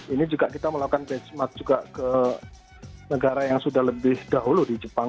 ini juga kita melakukan benchmark juga ke negara yang sudah lebih dahulu di jepang